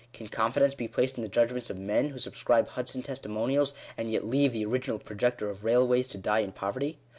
Can confidence be placed in the judgments of men who subscribe Hudson testimonials, and yet leave the original projector of railways to die in poverty